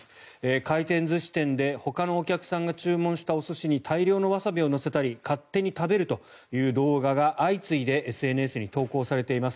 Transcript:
回転寿司店でほかのお客さんが注文したお寿司に大量のワサビを乗せたり勝手に食べるという動画が相次いでＳＮＳに投稿されています。